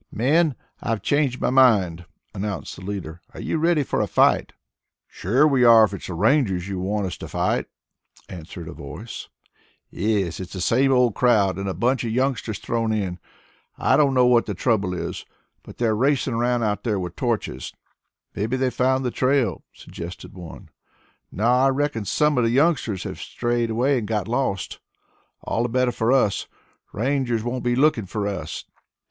"Men, I've changed my mind," announced the leader. "Are you ready for a fight?" "Sure we are if it's Rangers you want us to fight," answered a voice. "Yes, it's the same old crowd, and a bunch of youngsters thrown in. I don't know what the trouble is, but they're racing around out there with torches " "Mebby they've found the trail," suggested one. "No, I reckon some of the youngsters have strayed away and got lost. All the better for us. The Rangers won't be looking for us."